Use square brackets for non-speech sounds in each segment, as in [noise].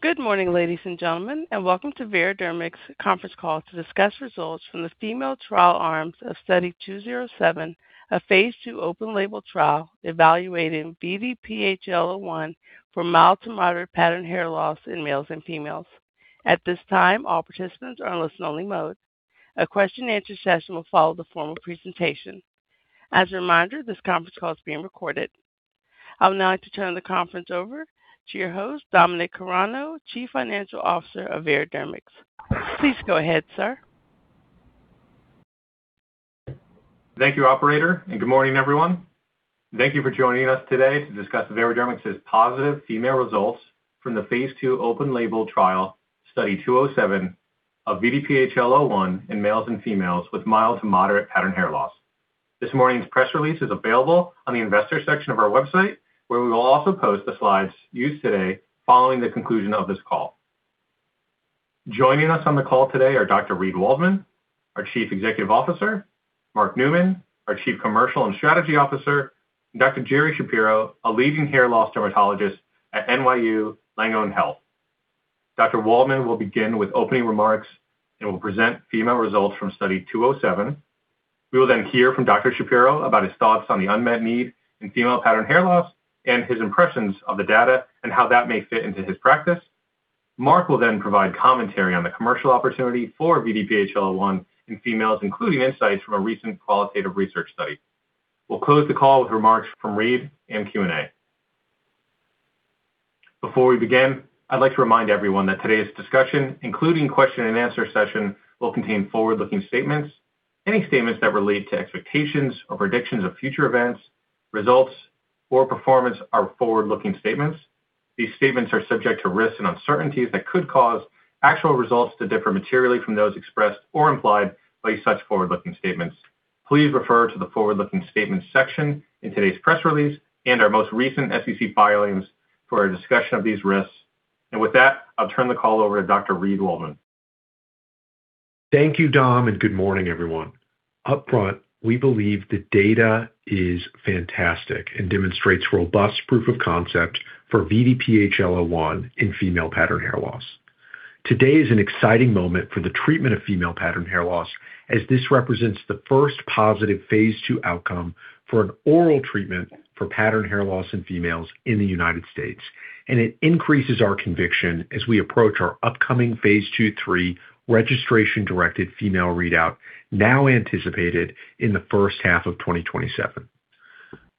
Good morning, ladies and gentlemen, welcome to Veradermics' conference call to discuss results from the female trial arms of Study 207, a phase II open-label trial evaluating VDPHL01 for mild to moderate pattern hair loss in males and females. At this time, all participants are in listen-only mode. A question-and-answer session will follow the formal presentation. As a reminder, this conference call is being recorded. I would now like to turn the conference over to your host, Dominic Carrano, Chief Financial Officer of Veradermics. Please go ahead, sir. Thank you, operator, good morning, everyone. Thank you for joining us today to discuss Veradermics' positive female results from the phase II open-label trial, Study 207 of VDPHL01 in males and females with mild to moderate pattern hair loss. This morning's press release is available on the investor section of our website, where we will also post the slides used today following the conclusion of this call. Joining us on the call today are Dr. Reid Waldman, our Chief Executive Officer, Mark Neumann, our Chief Commercial and Strategy Officer, and Dr. Jerry Shapiro, a leading hair loss dermatologist at NYU Langone Health. Dr. Waldman will begin with opening remarks and will present female results from Study 207. We will hear from Dr. Shapiro about his thoughts on the unmet need in female pattern hair loss and his impressions of the data and how that may fit into his practice. Mark will provide commentary on the commercial opportunity for VDPHL01 in females, including insights from a recent qualitative research study. We'll close the call with remarks from Reid and Q&A. Before we begin, I'd like to remind everyone that today's discussion, including question-and-answer session, will contain forward-looking statements. Any statements that relate to expectations or predictions of future events, results, or performance are forward-looking statements. These statements are subject to risks and uncertainties that could cause actual results to differ materially from those expressed or implied by such forward-looking statements. Please refer to the forward-looking statements section in today's press release and our most recent SEC filings for a discussion of these risks. With that, I'll turn the call over to Dr. Reid Waldman. Thank you, Dom, and good morning, everyone. Up front, we believe the data is fantastic and demonstrates robust proof of concept for VDPHL01 in female pattern hair loss. Today is an exciting moment for the treatment of female pattern hair loss, as this represents the first positive phase II outcome for an oral treatment for pattern hair loss in females in the United States, and it increases our conviction as we approach our upcoming phase II/III registration-directed female readout, now anticipated in the first half of 2027.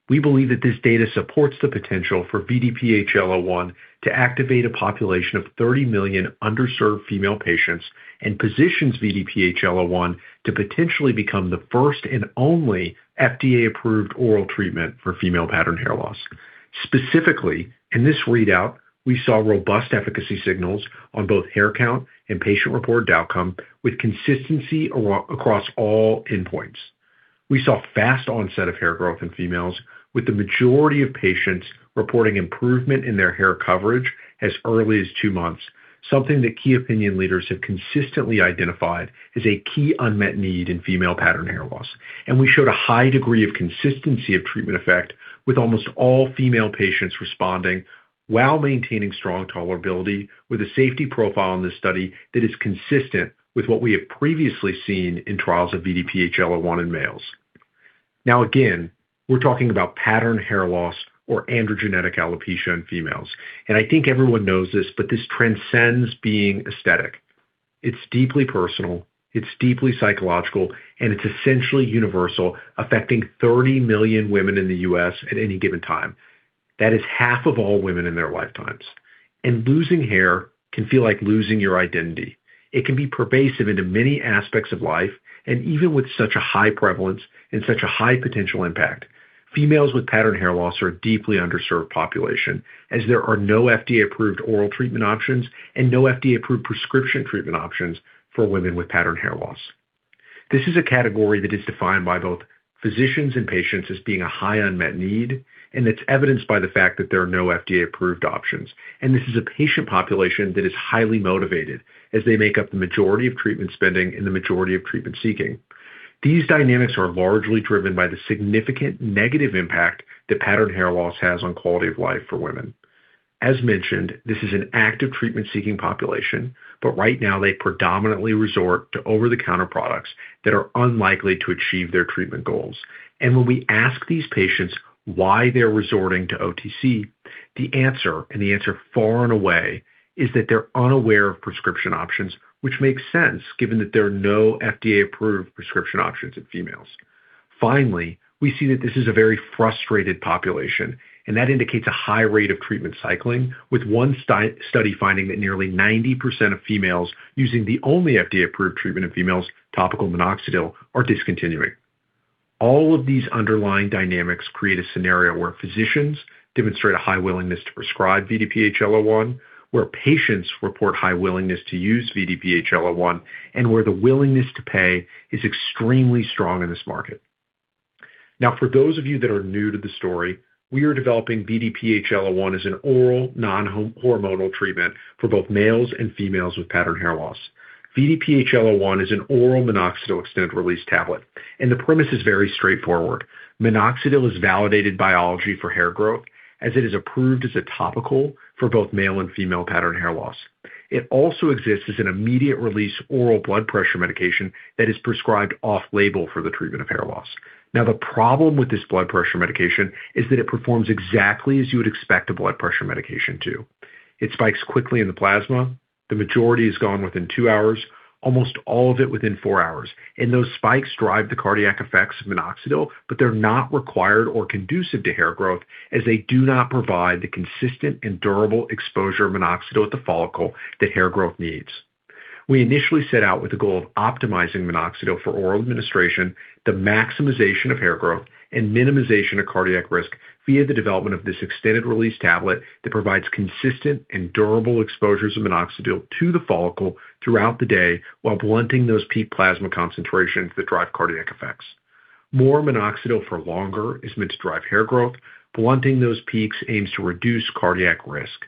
We believe that this data supports the potential for VDPHL01 to activate a population of 30 million underserved female patients and positions VDPHL01 to potentially become the first and only FDA-approved oral treatment for female pattern hair loss. Specifically, in this readout, we saw robust efficacy signals on both hair count and patient-reported outcome with consistency across all endpoints. We saw fast onset of hair growth in females, with the majority of patients reporting improvement in their hair coverage as early as two months, something that key opinion leaders have consistently identified as a key unmet need in female pattern hair loss. We showed a high degree of consistency of treatment effect with almost all female patients responding while maintaining strong tolerability with a safety profile in this Study that is consistent with what we have previously seen in trials of VDPHL01 in males. Again, we're talking about pattern hair loss or androgenetic alopecia in females. I think everyone knows this, but this transcends being aesthetic. It's deeply personal, it's deeply psychological, and it's essentially universal, affecting 30 million women in the U.S. at any given time. That is half of all women in their lifetimes. Losing hair can feel like losing your identity. It can be pervasive into many aspects of life. Even with such a high prevalence and such a high potential impact, females with pattern hair loss are a deeply underserved population, as there are no FDA-approved oral treatment options and no FDA-approved prescription treatment options for women with pattern hair loss. This is a category that is defined by both physicians and patients as being a high unmet need, and it's evidenced by the fact that there are no FDA-approved options. This is a patient population that is highly motivated, as they make up the majority of treatment spending and the majority of treatment seeking. These dynamics are largely driven by the significant negative impact that pattern hair loss has on quality of life for women. As mentioned, this is an active treatment-seeking population. Right now they predominantly resort to over-the-counter products that are unlikely to achieve their treatment goals. When we ask these patients why they're resorting to OTC, the answer, the answer far and away, is that they're unaware of prescription options, which makes sense given that there are no FDA-approved prescription options in females. Finally, we see that this is a very frustrated population. That indicates a high rate of treatment cycling, with one study finding that nearly 90% of females using the only FDA-approved treatment in females, topical minoxidil, are discontinuing. All of these underlying dynamics create a scenario where physicians demonstrate a high willingness to prescribe VDPHL01, where patients report high willingness to use VDPHL01, and where the willingness to pay is extremely strong in this market. Now, for those of you that are new to the story, we are developing VDPHL01 as an oral non-hormonal treatment for both males and females with pattern hair loss. VDPHL01 is an oral minoxidil extended-release tablet, and the premise is very straightforward. Minoxidil is validated biology for hair growth, as it is approved as a topical for both male and female pattern hair loss. It also exists as an immediate-release oral blood pressure medication that is prescribed off-label for the treatment of hair loss. The problem with this blood pressure medication is that it performs exactly as you would expect a blood pressure medication to. It spikes quickly in the plasma. The majority is gone within two hours, almost all of it within four hours. Those spikes drive the cardiac effects of minoxidil, but they are not required or conducive to hair growth, as they do not provide the consistent and durable exposure of minoxidil at the follicle that hair growth needs. We initially set out with the goal of optimizing minoxidil for oral administration, the maximization of hair growth, and minimization of cardiac risk via the development of this extended-release tablet that provides consistent and durable exposures of minoxidil to the follicle throughout the day, while blunting those peak plasma concentrations that drive cardiac effects. More minoxidil for longer is meant to drive hair growth. Blunting those peaks aims to reduce cardiac risk.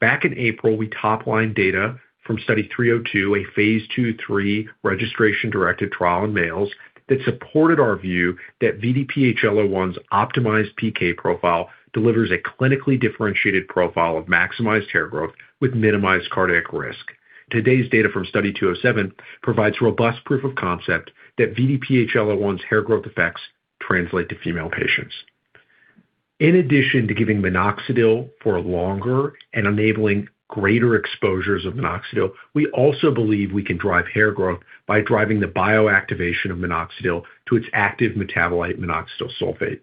Back in April, we top-lined data from Study 302, a phase II/III registration-directed trial in males, that supported our view that VDPHL01's optimized PK profile delivers a clinically differentiated profile of maximized hair growth with minimized cardiac risk. Today's data from Study 207 provides robust proof of concept that VDPHL01's hair growth effects translate to female patients. In addition to giving minoxidil for longer and enabling greater exposures of minoxidil, we also believe we can drive hair growth by driving the bioactivation of minoxidil to its active metabolite, minoxidil sulfate.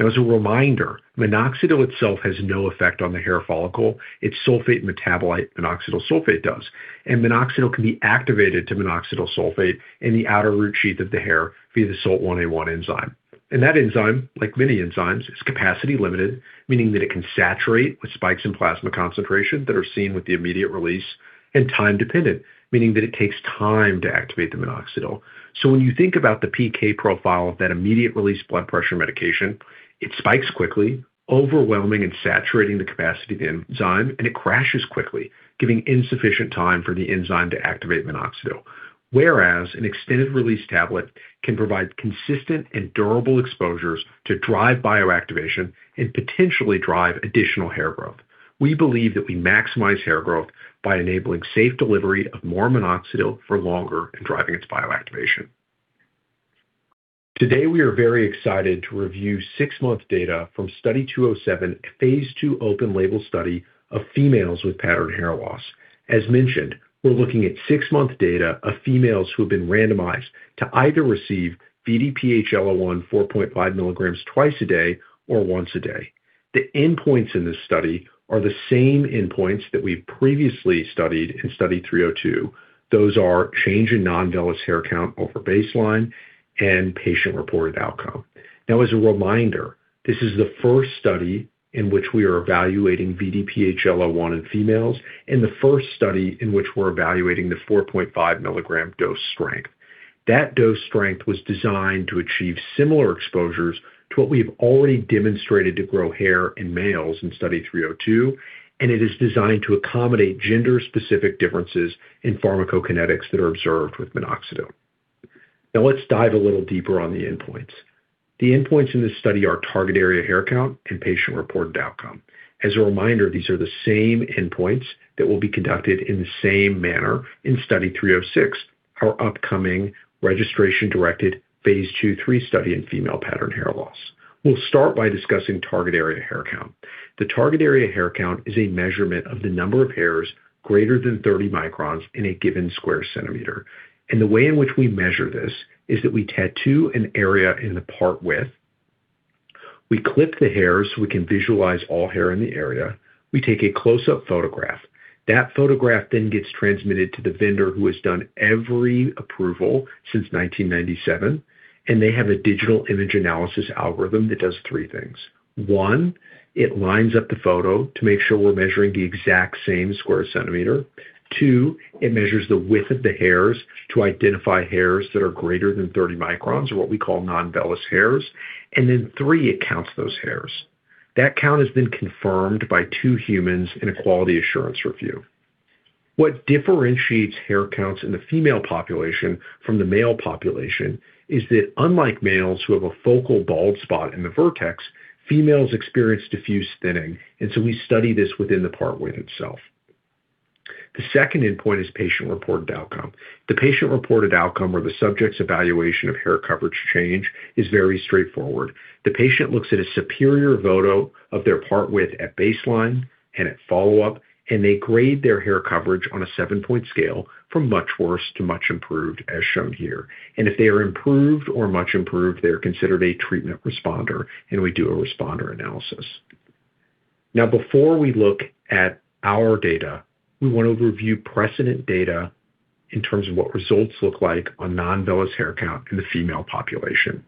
As a reminder, minoxidil itself has no effect on the hair follicle. Its sulfate metabolite, minoxidil sulfate, does. Minoxidil can be activated to minoxidil sulfate in the outer root sheath of the hair via the SULT1A1 enzyme. That enzyme, like many enzymes, is capacity limited, meaning that it can saturate with spikes in plasma concentration that are seen with the immediate-release, and time dependent, meaning that it takes time to activate the minoxidil. When you think about the PK profile of that immediate-release blood pressure medication, it spikes quickly, overwhelming and saturating the capacity of the enzyme, and it crashes quickly, giving insufficient time for the enzyme to activate minoxidil. Whereas an extended-release tablet can provide consistent and durable exposures to drive bioactivation and potentially drive additional hair growth. We believe that we maximize hair growth by enabling safe delivery of more minoxidil for longer and driving its bioactivation. Today, we are very excited to review six-month data from Study 207, a phase II open-label study of females with pattern hair loss. As mentioned, we are looking at six-month data of females who have been randomized to either receive VDPHL01 4.5 mg twice a day or once a day. The endpoints in this study are the same endpoints that we previously studied in Study 302. Those are change in non-vellus hair count over baseline and patient-reported outcome. As a reminder, this is the first study in which we are evaluating VDPHL01 in females and the first study in which we're evaluating the 4.5-mg-dose-strength. That dose strength was designed to achieve similar exposures to what we have already demonstrated to grow hair in males in Study 302. It is designed to accommodate gender-specific differences in pharmacokinetics that are observed with minoxidil. Let's dive a little deeper on the endpoints. The endpoints in this study are target area hair count and patient-reported outcome. As a reminder, these are the same endpoints that will be conducted in the same manner in Study 306, our upcoming registration-directed phase II/III study in female pattern hair loss. We'll start by discussing target area hair count. The target area hair count is a measurement of the number of hairs greater than 30 microns in a given square centimeter. The way in which we measure this is that we tattoo an area in the part width. We clip the hair so we can visualize all hair in the area. We take a close-up photograph. That photograph then gets transmitted to the vendor who has done every approval since 1997. They have a digital image analysis algorithm that does three things. One, it lines up the photo to make sure we're measuring the exact same square centimeter. Two, it measures the width of the hairs to identify hairs that are greater than 30 microns, or what we call non-vellus hairs. Then three, it counts those hairs. That count has been confirmed by two humans in a quality assurance review. What differentiates hair counts in the female population from the male population is that unlike males who have a focal bald spot in the vertex, females experience diffuse thinning. We study this within the part width itself. The second endpoint is patient-reported outcome. The patient-reported outcome, or the subject's evaluation of hair coverage change, is very straightforward. The patient looks at a superior photo of their part width at baseline and at follow-up. They grade their hair coverage on a seven-point scale from much worse to much improved, as shown here. If they are improved or much improved, they're considered a treatment responder. We do a responder analysis. Before we look at our data, we want to review precedent data in terms of what results look like on non-vellus hair count in the female population.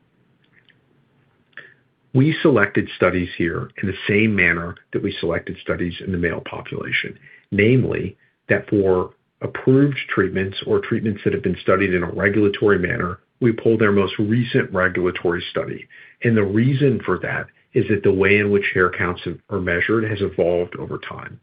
We selected studies here in the same manner that we selected studies in the male population. Namely, that for approved treatments or treatments that have been studied in a regulatory manner, we pull their most recent regulatory study. The reason for that is that the way in which hair counts are measured has evolved over time.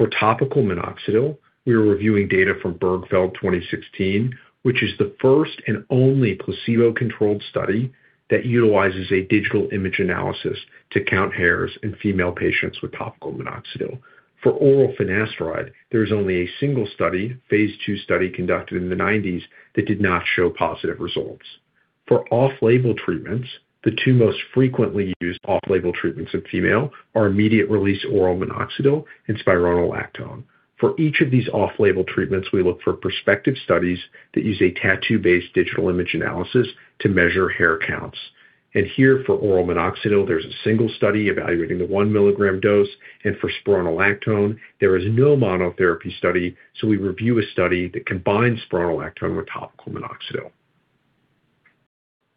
For topical minoxidil, we are reviewing data from Bergfeld 2016, which is the first and only placebo-controlled study that utilizes a digital image analysis to count hairs in female patients with topical minoxidil. For oral finasteride, there is only a single study, phase II study, conducted in the '90s that did not show positive results. For off-label treatments, the two most frequently used off-label treatments in female are immediate-release oral minoxidil and spironolactone. For each of these off-label treatments, we look for prospective studies that use a tattoo-based digital image analysis to measure hair counts. Here for oral minoxidil, there is a single study evaluating the 1 mg dose, and for spironolactone, there is no monotherapy study, so we review a study that combines spironolactone with topical minoxidil.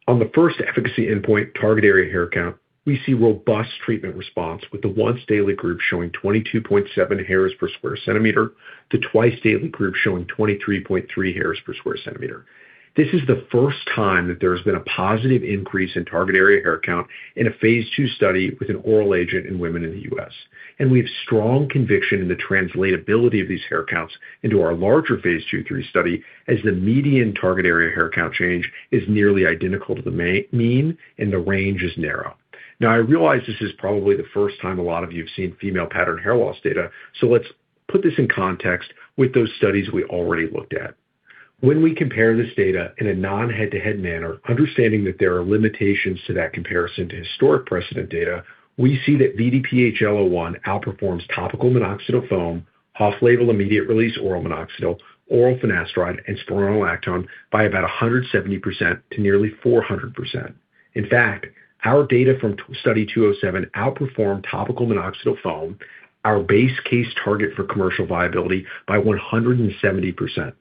On the first efficacy endpoint, target area hair count, we see robust treatment response with the once-daily group showing 22.7 hairs per sq cm, the twice-daily group showing 23.3 hairs per sq cm. This is the first time that there has been a positive increase in target area hair count in a phase II study with an oral agent in women in the U.S. We have strong conviction in the translatability of these hair counts into our larger phase II/III study, as the median target area hair count change is nearly identical to the mean, and the range is narrow. Now, I realize this is probably the first time a lot of you have seen female pattern hair loss data, so let's put this in context with those studies we already looked at. When we compare this data in a non-head-to-head manner, understanding that there are limitations to that comparison to historic precedent data, we see that VDPHL01 outperforms topical minoxidil foam, off-label immediate-release oral minoxidil, oral finasteride, and spironolactone by about 170% to nearly 400%. In fact, our data from Study 207 outperformed topical minoxidil foam, our base case target for commercial viability, by 170%.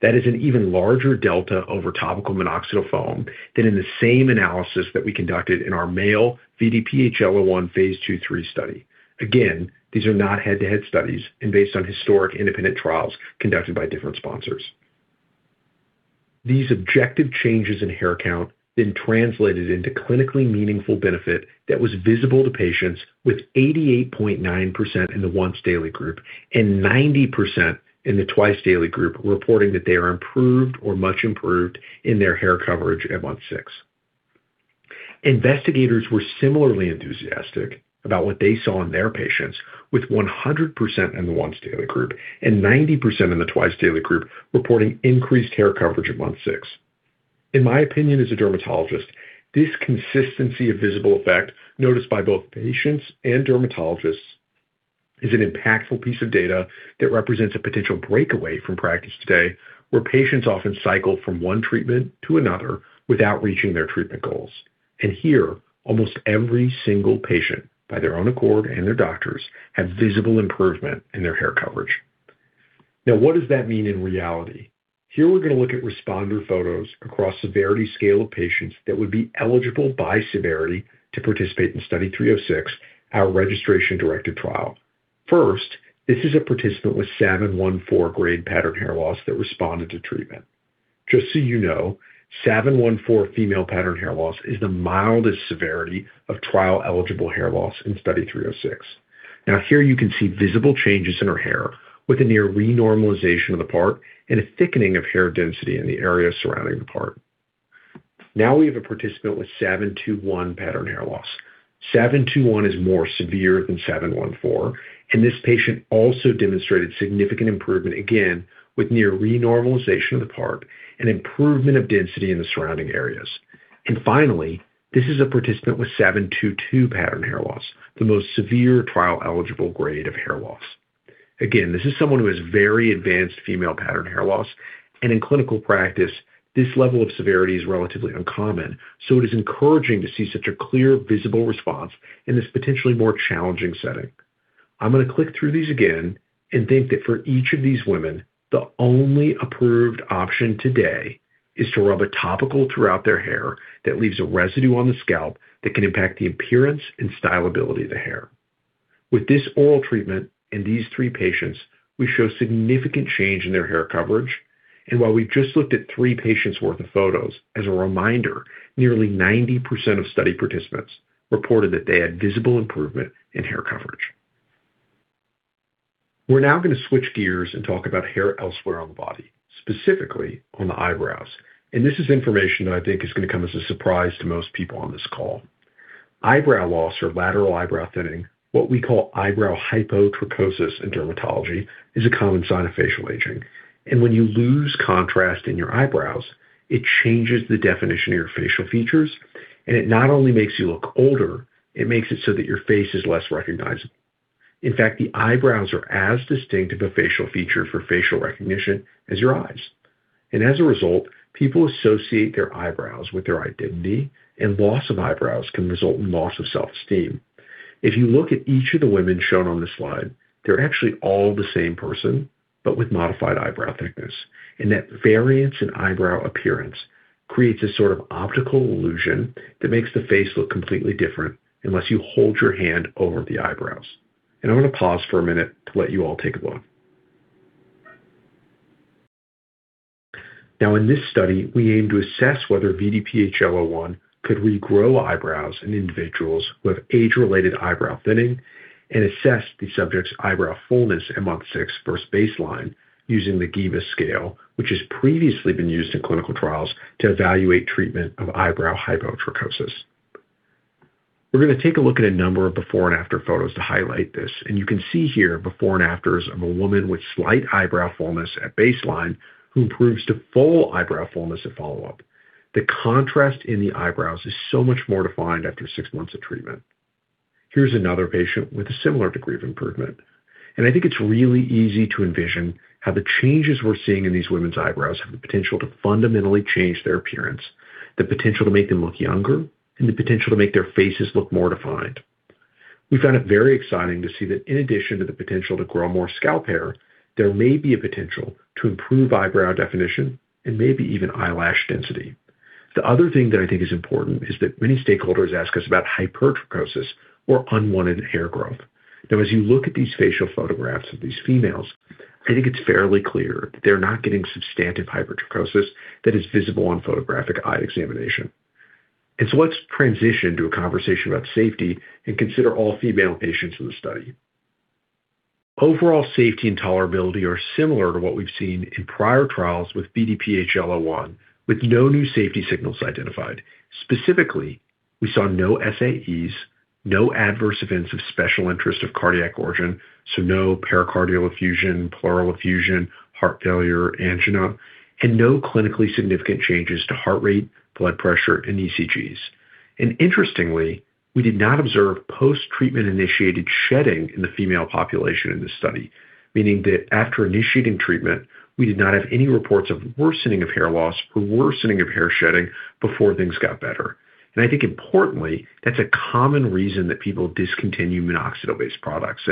That is an even larger delta over topical minoxidil foam than in the same analysis that we conducted in our male VDPHL01 phase II/III study. Again, these are not head-to-head studies and based on historic independent trials conducted by different sponsors. These objective changes in hair count translated into clinically meaningful benefit that was visible to patients with 88.9% in the once-daily group and 90% in the twice-daily group reporting that they are improved or much improved in their hair coverage at month six. Investigators were similarly enthusiastic about what they saw in their patients, with 100% in the once-daily group and 90% in the twice-daily group reporting increased hair coverage at month six. In my opinion as a dermatologist, this consistency of visible effect, noticed by both patients and dermatologists, is an impactful piece of data that represents a potential breakaway from practice today, where patients often cycle from one treatment to another without reaching their treatment goals. Here, almost every single patient, by their own accord and their doctors, have visible improvement in their hair coverage. Now, what does that mean in reality? Here we're going to look at responder photos across severity scale of patients that would be eligible by severity to participate in Study 306, our registration-directed trial. First, this is a participant with Savin I-4 grade pattern hair loss that responded to treatment. Just so you know, Savin I-4 female pattern hair loss is the mildest severity of trial-eligible hair loss in Study 306. Here you can see visible changes in her hair, with a near renormalization of the part and a thickening of hair density in the area surrounding the part. We have a participant with Savin II-1 pattern hair loss. Savin II-1 is more severe than Savin I-4, and this patient also demonstrated significant improvement, again, with near renormalization of the part, and improvement of density in the surrounding areas. Finally, this is a participant with Savin II-2 pattern hair loss, the most severe trial-eligible grade of hair loss. Again, this is someone who has very advanced female pattern hair loss, and in clinical practice, this level of severity is relatively uncommon, so it is encouraging to see such a clear, visible response in this potentially more challenging setting. I'm going to click through these again think that for each of these women, the only approved option today is to rub a topical throughout their hair that leaves a residue on the scalp that can impact the appearance and style ability of the hair. With this oral treatment in these three patients, we show significant change in their hair coverage. While we've just looked at three patients' worth of photos, as a reminder, nearly 90% of study participants reported that they had visible improvement in hair coverage. We're now going to switch gears and talk about hair elsewhere on the body, specifically on the eyebrows. This is information that I think is going to come as a surprise to most people on this call. Eyebrow loss or lateral eyebrow thinning, what we call eyebrow hypotrichosis in dermatology, is a common sign of facial aging. When you lose contrast in your eyebrows, it changes the definition of your facial features, and it not only makes you look older, it makes it so that your face is less recognizable. In fact, the eyebrows are as distinct of a facial feature for facial recognition as your eyes. As a result, people associate their eyebrows with their identity, and loss of eyebrows can result in loss of self-esteem. If you look at each of the women shown on this slide, they're actually all the same person, but with modified eyebrow thickness. That variance in eyebrow appearance creates a sort of optical illusion that makes the face look completely different unless you hold your hand over the eyebrows. I'm going to pause for a minute to let you all take a look. In this study, we aim to assess whether VDPHL01 could regrow eyebrows in individuals with age-related eyebrow thinning and assess the subject's eyebrow fullness at month six versus baseline using the GEyA scale, which has previously been used in clinical trials to evaluate treatment of eyebrow hypotrichosis. We're going to take a look at a number of before and after photos to highlight this, and you can see here before and afters of a woman with slight eyebrow fullness at baseline who improves to full eyebrow fullness at follow-up. The contrast in the eyebrows is so much more defined after six months of treatment. Here's another patient with a similar degree of improvement. I think it's really easy to envision how the changes we're seeing in these women's eyebrows have the potential to fundamentally change their appearance, the potential to make them look younger, and the potential to make their faces look more defined. We found it very exciting to see that in addition to the potential to grow more scalp hair, there may be a potential to improve eyebrow definition, maybe even eyelash density. The other thing that I think is important is that many stakeholders ask us about hypertrichosis or unwanted hair growth. As you look at these facial photographs of these females, I think it's fairly clear that they're not getting substantive hypertrichosis that is visible on photographic eye examination. Let's transition to a conversation about safety and consider all female patients in the study. Overall safety and tolerability are similar to what we've seen in prior trials with VDPHL01, with no new safety signals identified. Specifically, we saw no SAEs, no adverse events of special interest of cardiac origin, so no pericardial effusion, pleural effusion, heart failure, angina, and no clinically significant changes to heart rate, blood pressure, and ECGs. Interestingly, we did not observe post-treatment initiated shedding in the female population in this study, meaning that after initiating treatment, we did not have any reports of worsening of hair loss or worsening of hair shedding before things got better. I think importantly, that's a common reason that people discontinue minoxidil-based products.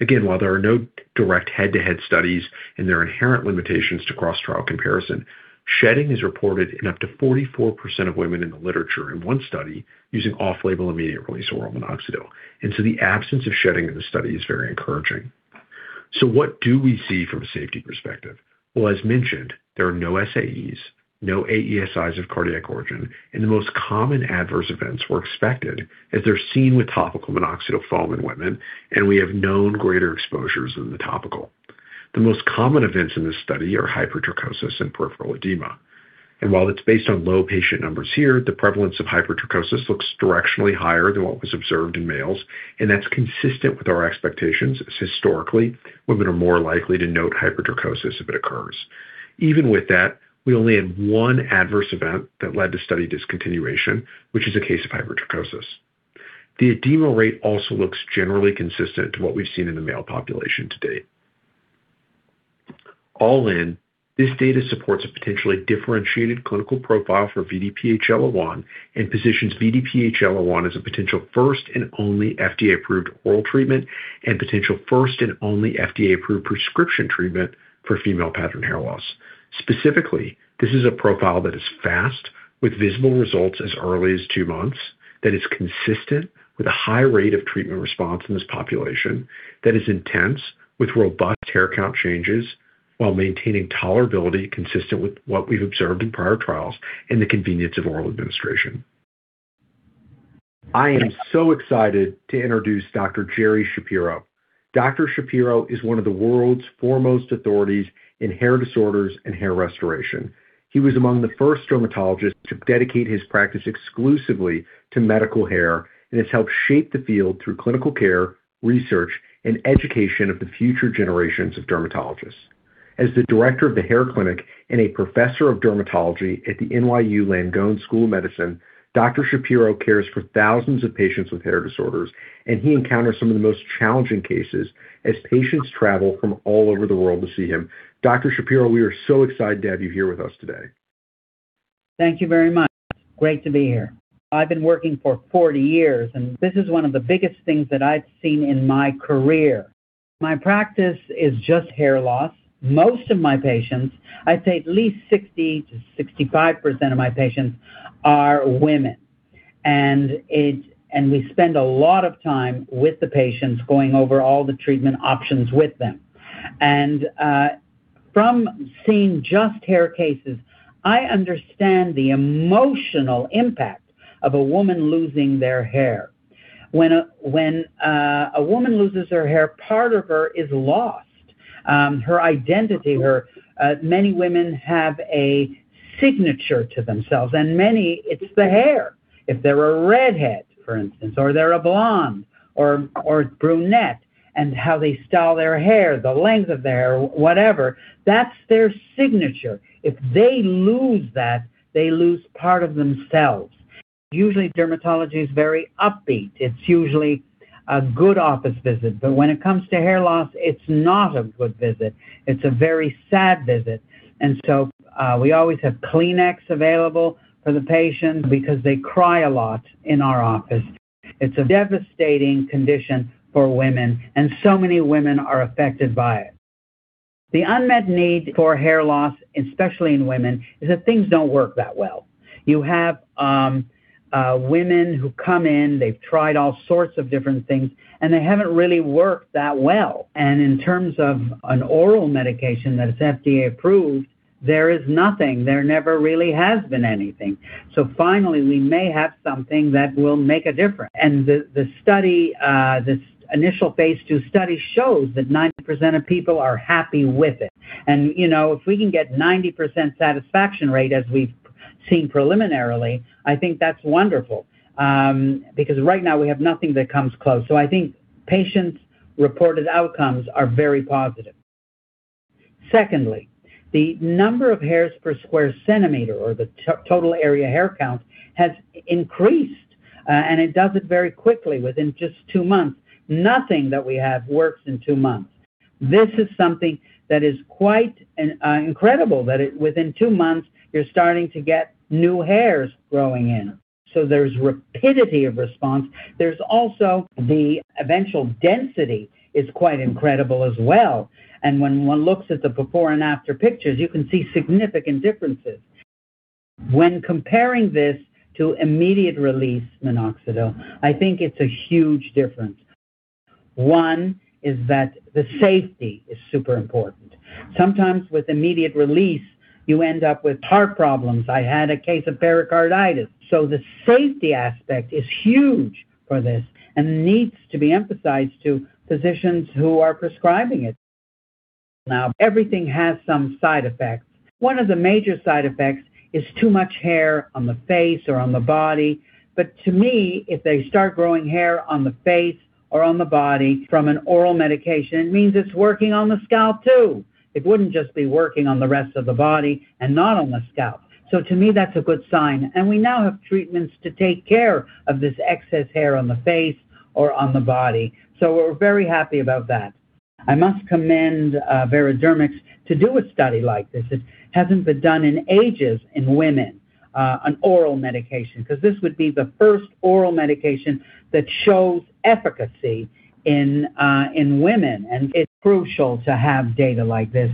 Again, while there are no direct head-to-head studies and there are inherent limitations to cross-trial comparison, shedding is reported in up to 44% of women in the literature in one study using off-label immediate release oral minoxidil. The absence of shedding in the study is very encouraging. What do we see from a safety perspective? As mentioned, there are no SAEs, no AESIs of cardiac origin, and the most common adverse events were expected, as they're seen with topical minoxidil foam in women, and we have known greater exposures than the topical. The most common events in this study are hypertrichosis and peripheral edema. While it's based on low patient numbers here, the prevalence of hypertrichosis looks directionally higher than what was observed in males, and that's consistent with our expectations, as historically, women are more likely to note hypertrichosis if it occurs. Even with that, we only had one adverse event that led to study discontinuation, which is a case of hypertrichosis. The edema rate also looks generally consistent to what we've seen in the male population to-date. All in, this data supports a potentially differentiated clinical profile for VDPHL01 and positions VDPHL01 as a potential first and only FDA-approved oral treatment and potential first and only FDA-approved prescription treatment for female pattern hair loss. Specifically, this is a profile that is fast, with visible results as early as two months, that is consistent with a high rate of treatment response in this population, that is intense, with robust hair count changes while maintaining tolerability consistent with what we've observed in prior trials, and the convenience of oral administration. I am so excited to introduce Dr. Jerry Shapiro. Dr. Jerry Shapiro is one of the world's foremost authorities in hair disorders and hair restoration. He was among the first dermatologists to dedicate his practice exclusively to medical hair, and has helped shape the field through clinical care, research, and education of the future generations of dermatologists. As the director of the hair clinic and a professor of dermatology at the NYU Langone School of Medicine, Dr. Shapiro cares for thousands of patients with hair disorders, and he encounters some of the most challenging cases as patients travel from all over the world to see him. Dr. Shapiro, we are so excited to have you here with us today. Thank you very much. Great to be here. I've been working for 40 years, this is one of the biggest things that I've seen in my career. My practice is just hair loss. Most of my patients, I'd say at least 60%-65% of my patients, are women. We spend a lot of time with the patients going over all the treatment options with them. From seeing just hair cases, I understand the emotional impact of a woman losing their hair. When a woman loses her hair, part of her is lost. Her identity. Many women have a signature to themselves, and many, it's the hair. If they're a redhead, for instance, or they're a blonde or brunette, and how they style their hair, the length of their hair, whatever, that's their signature. If they lose that, they lose part of themselves. Usually, dermatology is very upbeat. It's usually a good office visit. When it comes to hair loss, it's not a good visit. It's a very sad visit, we always have Kleenex available for the patients because they cry a lot in our office. It's a devastating condition for women, and so many women are affected by it. The unmet need for hair loss, especially in women, is that things don't work that well. You have women who come in, they've tried all sorts of different things, and they haven't really worked that well. In terms of an oral medication that is FDA approved, there is nothing. There never really has been anything. Finally, we may have something that will make a difference. The study, this initial phase II study, shows that 90% of people are happy with it. If we can get 90% satisfaction rate, as we've seen preliminarily, I think that's wonderful. Because right now, we have nothing that comes close. I think patients' reported outcomes are very positive. Secondly, the number of hairs per square centimeter, or the total area hair count, has increased, and it does it very quickly, within just two months. Nothing that we have works in two months. This is something that is quite incredible, that within two months, you're starting to get new hairs growing in. There's rapidity of response. There's also the eventual density is quite incredible as well. When one looks at the before and after pictures, you can see significant differences. When comparing this to immediate-release minoxidil, I think it's a huge difference. One is that the safety is super important. Sometimes with immediate-release, you end up with heart problems. I had a case of pericarditis. The safety aspect is huge for this and needs to be emphasized to physicians who are prescribing it. Everything has some side effects. One of the major side effects is too much hair on the face or on the body. To me, if they start growing hair on the face or on the body from an oral medication, it means it's working on the scalp, too. It wouldn't just be working on the rest of the body and not on the scalp. To me, that's a good sign. We now have treatments to take care of this excess hair on the face or on the body. We're very happy about that. I must commend Veradermics to do a study like this. It hasn't been done in ages in women, an oral medication, because this would be the first oral medication that shows efficacy in women, and it's crucial to have data like this.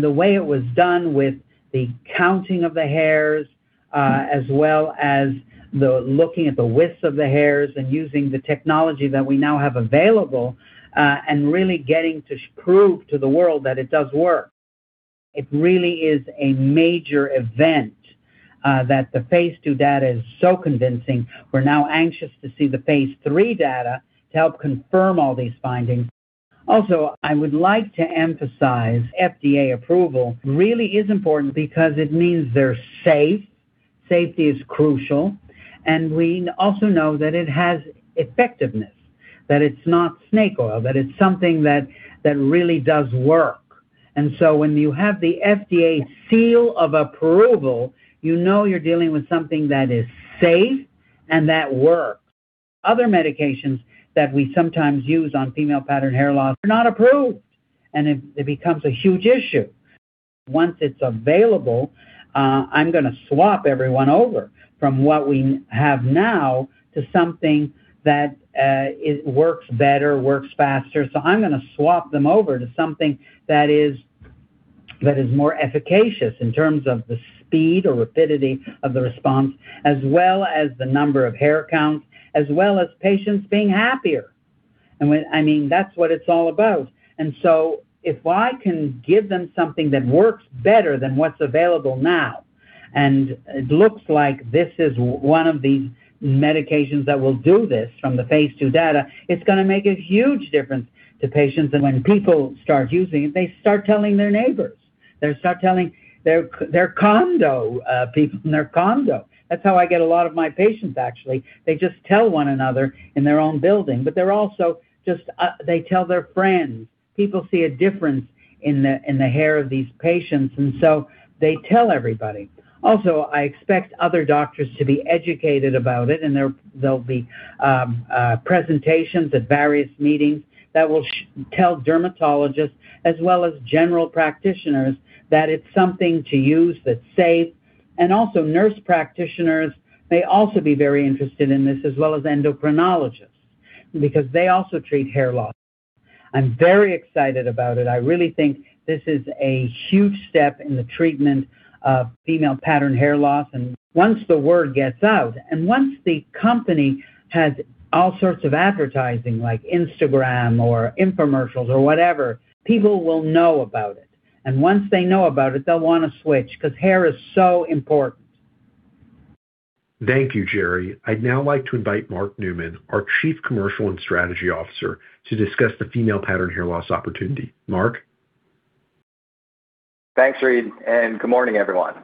The way it was done with the counting of the hairs, as well as the looking at the widths of the hairs and using the technology that we now have available, and really getting to prove to the world that it does work. It really is a major event that the phase II data is so convincing. We're now anxious to see the phase III data to help confirm all these findings. I would like to emphasize FDA approval really is important because it means they're safe. Safety is crucial. We also know that it has effectiveness, that it's not snake oil, that it's something that really does work. When you have the FDA seal of approval, you know you're dealing with something that is safe and that works. Other medications that we sometimes use on female pattern hair loss are not approved, and it becomes a huge issue. Once it's available, I'm going to swap everyone over from what we have now to something that works better, works faster. I'm going to swap them over to something that is more efficacious in terms of the speed or rapidity of the response, as well as the number of hair counts, as well as patients being happier. That's what it's all about. If I can give them something that works better than what's available now, and it looks like this is one of the medications that will do this from the phase II data, it's going to make a huge difference to patients. When people start using it, they start telling their neighbors. They start telling their condo, people in their condo. That's how I get a lot of my patients, actually. They just tell one another in their own building. They tell their friends. People see a difference in the hair of these patients, and they tell everybody. I expect other doctors to be educated about it, and there'll be presentations at various meetings that will tell dermatologists, as well as general practitioners, that it's something to use that's safe. Nurse practitioners may also be very interested in this, as well as endocrinologists, because they also treat hair loss. I'm very excited about it. I really think this is a huge step in the treatment of female pattern hair loss. Once the word gets out, once the company has all sorts of advertising like Instagram or infomercials or whatever, people will know about it. Once they know about it, they'll want to switch because hair is so important. Thank you, Jerry. I'd now like to invite Mark Neumann, our Chief Commercial and Strategy Officer, to discuss the female pattern hair loss opportunity. Mark? Thanks, Reid, good morning, everyone.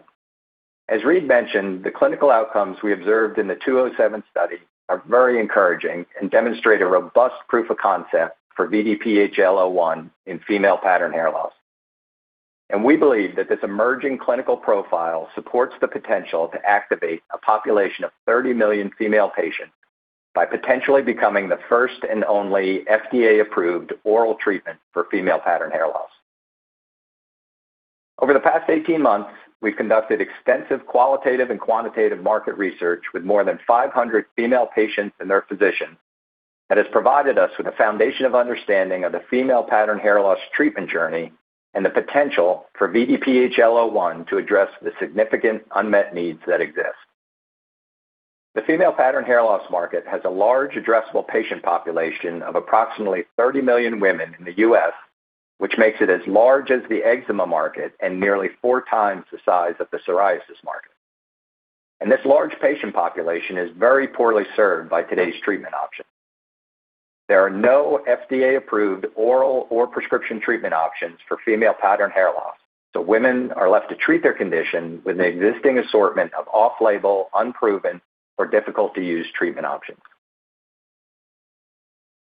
As Reid mentioned, the clinical outcomes we observed in the 207 Study are very encouraging and demonstrate a robust proof of concept for VDPHL01 in female pattern hair loss. We believe that this emerging clinical profile supports the potential to activate a population of 30 million female patients by potentially becoming the first and only FDA-approved oral treatment for female pattern hair loss. Over the past 18 months, we've conducted extensive qualitative and quantitative market research with more than 500 female patients and their physicians that has provided us with a foundation of understanding of the female pattern hair loss treatment journey and the potential for VDPHL01 to address the significant unmet needs that exist. The female pattern hair loss market has a large addressable patient population of approximately 30 million women in the U.S., which makes it as large as the eczema market and nearly 4x the size of the psoriasis market. This large patient population is very poorly served by today's treatment options. There are no FDA-approved oral or prescription treatment options for female pattern hair loss, so women are left to treat their condition with an existing assortment of off-label, unproven, or difficult-to-use treatment options.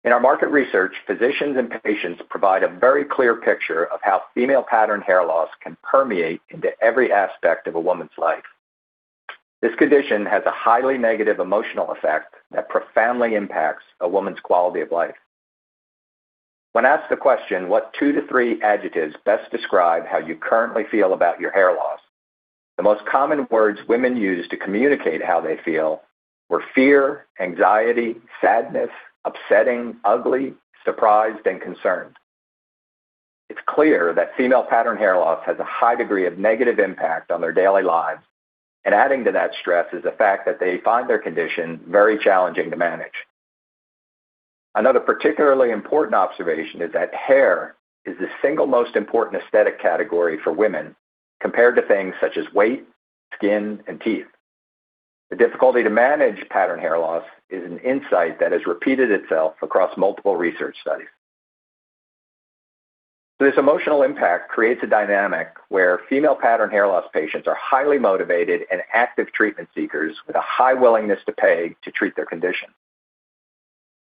In our market research, physicians and patients provide a very clear picture of how female pattern hair loss can permeate into every aspect of a woman's life. This condition has a highly negative emotional effect that profoundly impacts a woman's quality of life. When asked the question, what two to three adjectives best describe how you currently feel about your hair loss? The most common words women use to communicate how they feel were fear, anxiety, sadness, upsetting, ugly, surprised, and concerned. It's clear that female pattern hair loss has a high degree of negative impact on their daily lives, and adding to that stress is the fact that they find their condition very challenging to manage. Another particularly important observation is that hair is the single most important aesthetic category for women compared to things such as weight, skin, and teeth. The difficulty to manage pattern hair loss is an insight that has repeated itself across multiple research studies. This emotional impact creates a dynamic where female pattern hair loss patients are highly motivated and active treatment seekers with a high willingness to pay to treat their condition.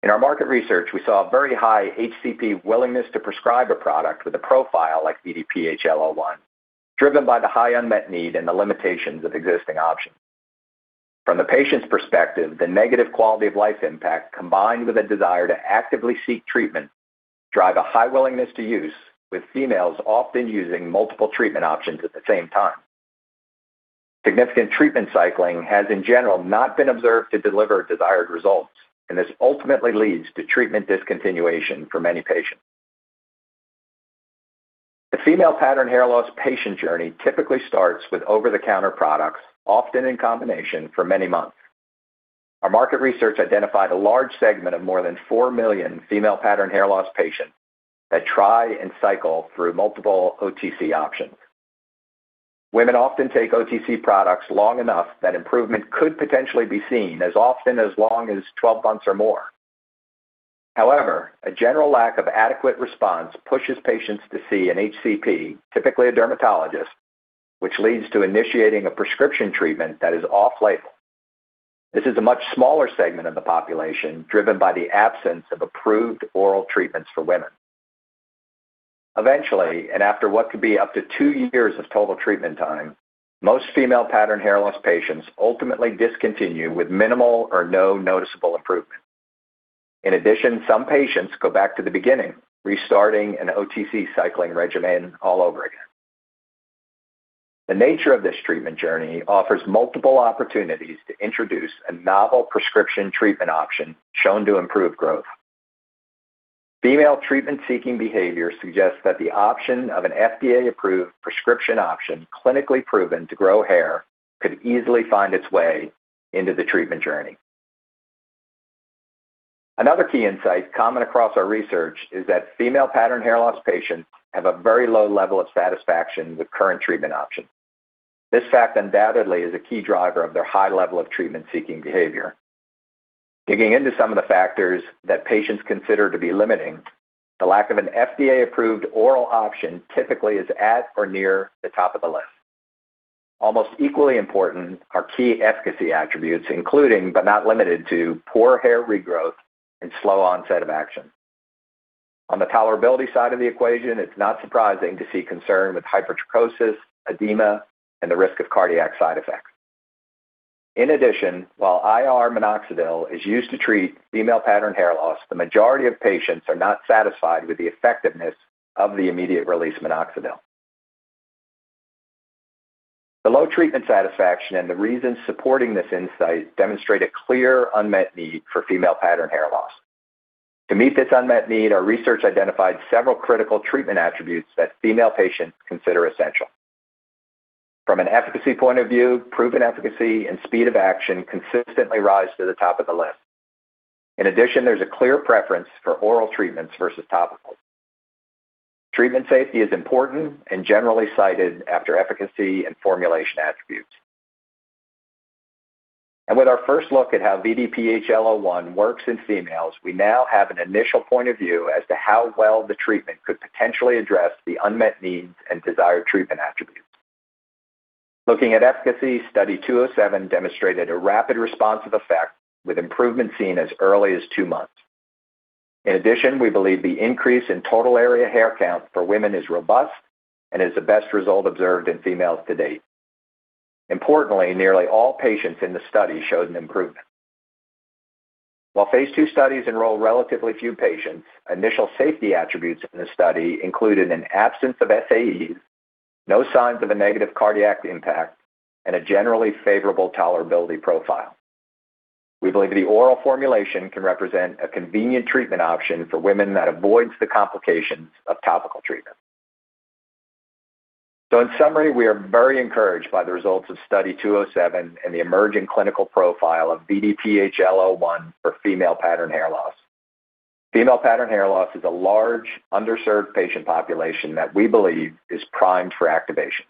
In our market research, we saw a very high HCP willingness to prescribe a product with a profile like VDPHL01, driven by the high unmet need and the limitations of existing options. From the patient's perspective, the negative quality-of-life impact, combined with a desire to actively seek treatment, drive a high willingness to use, with females often using multiple treatment options at the same time. Significant treatment cycling has, in general, not been observed to deliver desired results, and this ultimately leads to treatment discontinuation for many patients. The female pattern hair loss patient journey typically starts with over-the-counter products, often in combination, for many months. Our market research identified a large segment of more than 4 million female pattern hair loss patients that try and cycle through multiple OTC options. Women often take OTC products long enough that improvement could potentially be seen as often as long as 12 months or more. However, a general lack of adequate response pushes patients to see an HCP, typically a dermatologist, which leads to initiating a prescription treatment that is off-label. This is a much smaller segment of the population, driven by the absence of approved oral treatments for women. Eventually, and after what could be up to two years of total treatment time, most female pattern hair loss patients ultimately discontinue with minimal or no noticeable improvement. In addition, some patients go back to the beginning, restarting an OTC cycling regimen all over again. The nature of this treatment journey offers multiple opportunities to introduce a novel prescription treatment option shown to improve growth. Female treatment-seeking behavior suggests that the option of an FDA-approved prescription option, clinically proven to grow hair, could easily find its way into the treatment journey. Another key insight common across our research is that female pattern hair loss patients have a very low level of satisfaction with current treatment options. This fact undoubtedly is a key driver of their high level of treatment-seeking behavior. Digging into some of the factors that patients consider to be limiting, the lack of an FDA-approved oral option typically is at or near the top of the list. Almost equally important are key efficacy attributes, including, but not limited to, poor hair regrowth and slow onset of action. On the tolerability side of the equation, it's not surprising to see concern with hypertrichosis, edema, and the risk of cardiac side effects. In addition, while IR minoxidil is used to treat female pattern hair loss, the majority of patients are not satisfied with the effectiveness of the immediate-release minoxidil. The low treatment satisfaction and the reasons supporting this insight demonstrate a clear unmet need for female pattern hair loss. To meet this unmet need, our research identified several critical treatment attributes that female patients consider essential. From an efficacy point of view, proven efficacy and speed of action consistently rise to the top of the list. In addition, there's a clear preference for oral treatments versus topical. Treatment safety is important and generally cited after efficacy and formulation attributes. With our first look at how VDPHL01 works in females, we now have an initial point of view as to how well the treatment could potentially address the unmet needs and desired treatment attributes. Looking at efficacy, Study 207 demonstrated a rapid response effect, with improvement seen as early as two months. In addition, we believe the increase in total area hair count for women is robust and is the best result observed in females to-date. Importantly, nearly all patients in the study showed an improvement. While phase II studies enroll relatively few patients, initial safety attributes in the study included an absence of SAEs. No signs of a negative cardiac impact, and a generally favorable tolerability profile. We believe the oral formulation can represent a convenient treatment option for women that avoid the complication of topical treatment. In summary, we are very encouraged by the results of Study 207 and the emerging clinical profile of VDPHL01 for female pattern hair loss. Female pattern hair loss is a large, underserved patient population that we believe is primed for activation.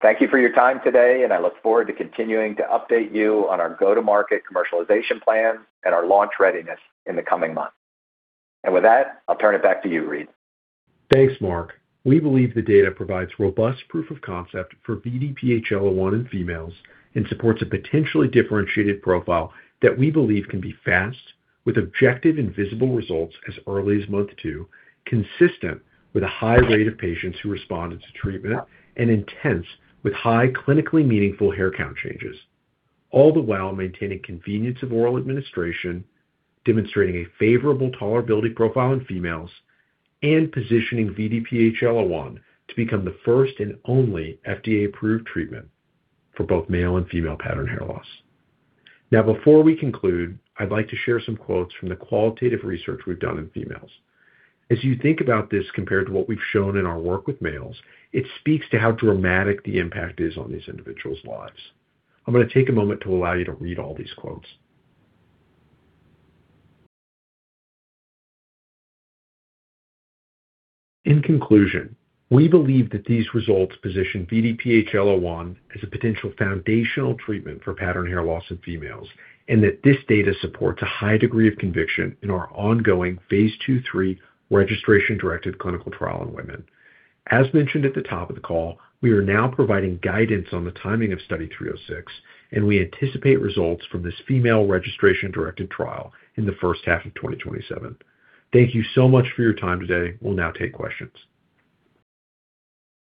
Thank you for your time today, and I look forward to continuing to update you on our go-to-market commercialization plans and our launch readiness in the coming months. With that, I'll turn it back to you, Reid. Thanks, Mark. We believe the data provides robust proof of concept for VDPHL01 in females and supports a potentially differentiated profile that we believe can be fast, with objective and visible results as early as month two, consistent with a high rate of patients who responded to treatment, and intense, with high clinically meaningful hair count changes. All the while, maintaining convenience of oral administration, demonstrating a favorable tolerability profile in females, and positioning VDPHL01 to become the first and only FDA-approved treatment for both male and female pattern hair loss. Before we conclude, I'd like to share some quotes from the qualitative research we've done in females. As you think about this compared to what we've shown in our work with males, it speaks to how dramatic the impact is on these individuals' lives. I'm going to take a moment to allow you to read all these quotes. In conclusion, we believe that these results position VDPHL01 as a potential foundational treatment for pattern hair loss in females, and that this data supports a high degree of conviction in our ongoing phase II/III registration-directed clinical trial in women. As mentioned at the top of the call, we are now providing guidance on the timing of Study 306, and we anticipate results from this female registration-directed trial in the first half of 2027. Thank you so much for your time today. We'll now take questions.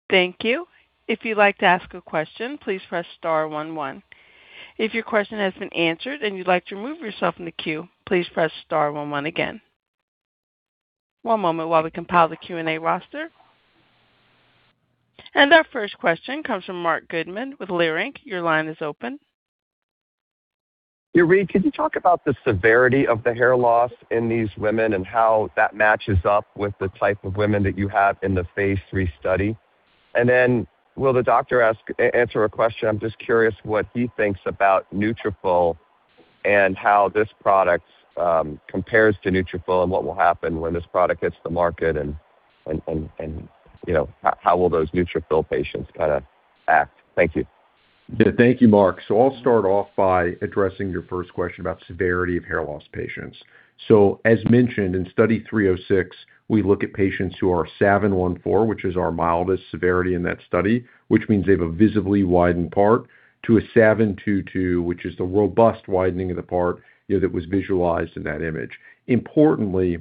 Thank you. If you'd like to ask a question, please press star one one. If your question has been answered and you'd like to remove yourself from the queue, please press star one one again. One moment while we compile the Q&A roster. Our first question comes from Marc Goodman with Leerink. Your line is open. Yeah, Reid, can you talk about the severity of the hair loss in these women and how that matches up with the type of women that you have in the phase III study? Will the doctor answer a question? I'm just curious what he thinks about Nutrafol and how this product compares to Nutrafol, and what will happen when this product hits the market and how will those Nutrafol patients act. Thank you. Thank you, Marc. I'll start off by addressing your first question about severity of hair loss patients. As mentioned, in Study 306, we look at patients who are Savin I-4, which is our mildest severity in that study, which means they have a visibly widened part, to a Savin II-2, which is the robust widening of the part that was visualized in that image. Importantly,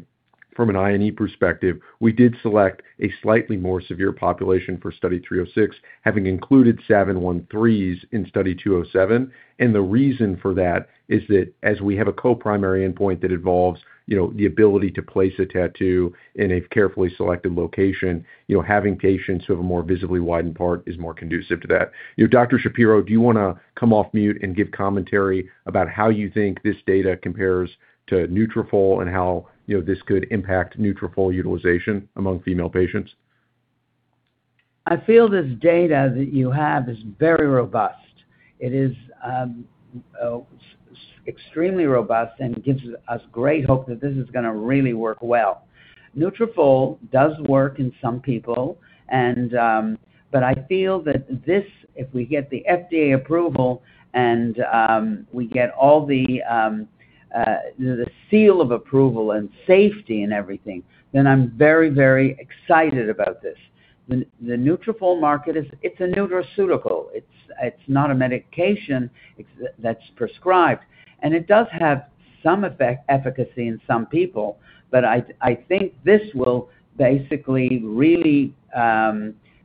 from an I/E perspective, we did select a slightly more severe population for Study 306, having included Savin I-3s in Study 207. The reason for that is that as we have a co-primary endpoint that involves the ability to place a tattoo in a carefully selected location, having patients who have a more visibly widened part is more conducive to that. Dr. Shapiro, do you want to come off mute and give commentary about how you think this data compares to Nutrafol and how this could impact Nutrafol utilization among female patients? I feel this data that you have is very robust. It is extremely robust and gives us great hope that this is going to really work well. Nutrafol does work in some people, but I feel that this, if we get the FDA approval, and we get all the seal of approval in safety and everything, then I'm very very excited about this. The Nutrafol market is a nutraceutical. It's not a medication that's prescribed. It does have some efficacy in some people, but I think this will basically really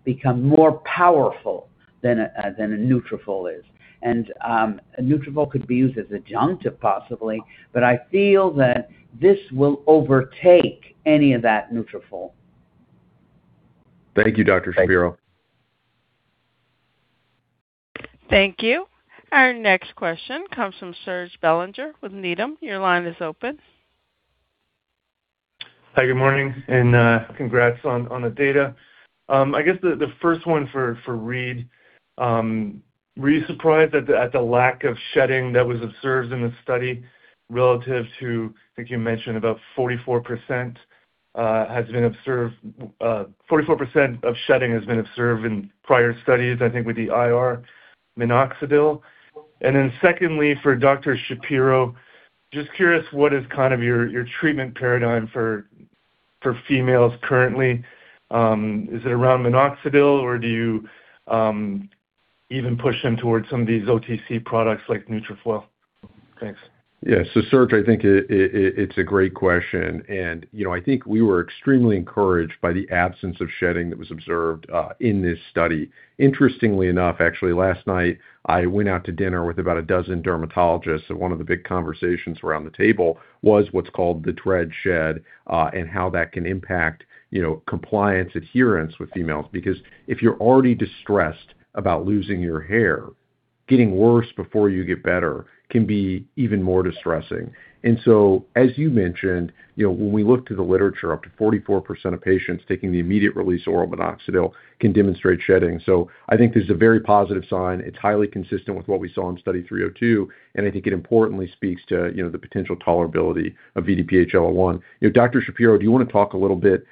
become more powerful than a Nutrafol is. A Nutrafol could be used as adjunctive, possibly, but I feel that this will overtake any of that Nutrafol. Thank you, Dr. Shapiro. Thank you. Our next question comes from Serge Belanger with Needham. Your line is open. Hi, good morning, and congrats on the data. I guess the first one for Reid. Were you surprised at the lack of shedding that was observed in the study relative to, I think you mentioned about 44% of shedding has been observed in prior studies, I think, with the IR minoxidil. Secondly, for Dr. Shapiro, just curious, what is your treatment paradigm for females currently? Is it around minoxidil, or do you even push them towards some of these OTC products like Nutrafol? Thanks. Yeah. Serge, I think it's a great question, and I think we were extremely encouraged by the absence of shedding that was observed in this study. Interestingly enough, actually, last night, I went out to dinner with about a dozen dermatologists, and one of the big conversations around the table was what's called the dread shed, and how that can impact compliance adherence with females. Because if you're already distressed about losing your hair- getting worse before you get better can be even more distressing. As you mentioned, when we look to the literature, up to 44% of patients taking the immediate-release oral minoxidil can demonstrate shedding. I think this is a very positive sign. It's highly consistent with what we saw in Study 302, and I think it importantly speaks to the potential tolerability of VDPHL01. Dr. Shapiro, do you want to talk a little bit